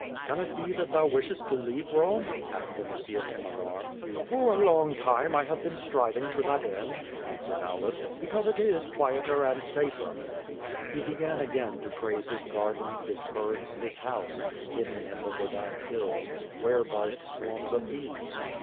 "Can it be that thou wishest to leave Borne?" asked Vini tius in alarm. "For a long time I have been striving to that end," an swered Aulus, "because it is quieter and safer." He began again to praise his garden, his herds, his house, hidden in the verdant hills, where buzzed swarms of bees.